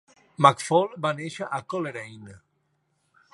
McFaul va néixer a Coleraine.